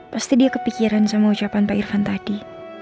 pasti dia kepikiran sama ucapan pak irfan tadi